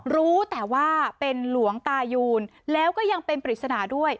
รู้แต่ว่าเป็นหลวงตายูนแล้วก็ยังเป็นปริศนาด้วย